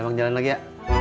emang jalan lagi ya